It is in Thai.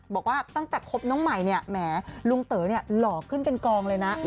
บอกว่าตั้งแต่คบน้องใหม่เนี่ยแหมลุงเต๋อเนี่ยหล่อขึ้นเป็นกองเลยนะ